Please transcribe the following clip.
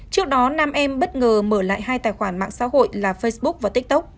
trước đó nam em bất ngờ mở lại hai tài khoản mạng xã hội là facebook và tiktok